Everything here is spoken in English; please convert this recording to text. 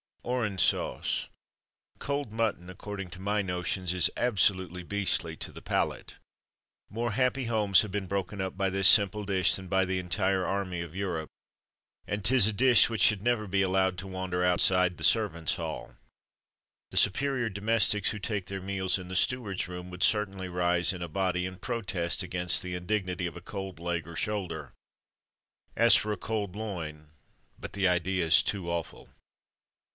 Orange Sauce. Cold mutton, according to my notions, is "absolutely beastly," to the palate. More happy homes have been broken up by this simple dish than by the entire army of Europe. And 'tis a dish which should never be allowed to wander outside the servants' hall. The superior domestics who take their meals in the steward's room, would certainly rise in a body, and protest against the indignity of a cold leg, or shoulder. As for a cold loin but the idea is too awful.